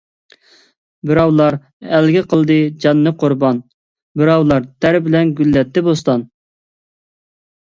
بىراۋلار ئەلگە قىلدى جاننى قۇربان، بىراۋلار تەر بىلەن گۈللەتتى بوستان.